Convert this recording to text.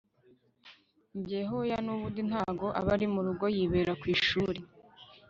njye hoya! nubundi ntago aba murugo yibera kwishuri